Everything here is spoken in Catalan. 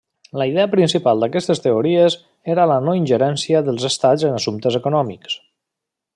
La idea principal d'aquestes teories era la no ingerència dels Estats en assumptes econòmics.